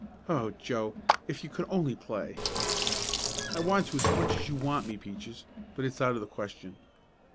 "Oh, Joe, if you could only play!" "I want to as much as you want me, Peaches, but it's out of the question."